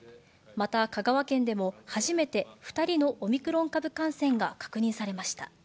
また香川県でも、初めて、２人のオミクロン株感染が確認されました。